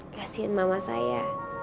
kasian mama saja